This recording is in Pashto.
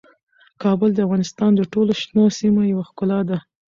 کابل د افغانستان د ټولو شنو سیمو یوه ښکلا ده.